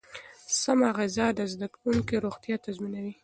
سمه غذا د زده کوونکو روغتیا تضمینوي.